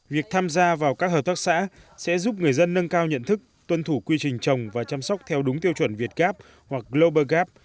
việc tham gia vào các hợp tác xã sẽ giúp người dân nâng cao nhận thức tuân thủ quy trình trồng và chăm sóc theo đúng tiêu chuẩn việt gap hoặc global gap